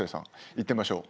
いってみましょう。